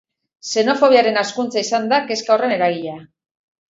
Xenofobiaren hazkuntza izan da kezka horren eragilea.